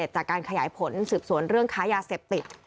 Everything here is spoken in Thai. จากการขยายผลสืบสวนเรื่องค้ายาเสพติด